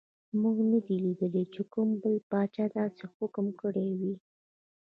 موږ نه دي لیدلي چې کوم بل پاچا داسې حکم کړی وي.